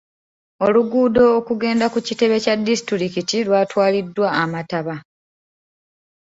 Oluguudo okugenda ku kitebe kya disitulikiti lwatwaliddwa amataba.